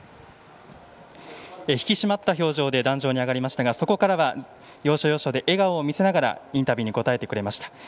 引き締まった表情で壇上に上がりましたがそこからは、要所要所で笑顔を見せながらインタビューに答えてくれました。